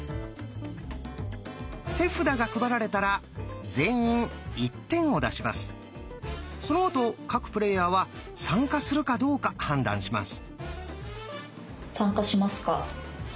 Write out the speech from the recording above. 手札が配られたらそのあと各プレーヤーは参加するかどうか判断します。